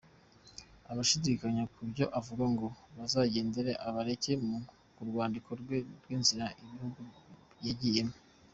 Abashidikanya ku byo avuga ngo bazagende abareke mu rwandiko rwe rw’inzira ibihugu yagiyemo.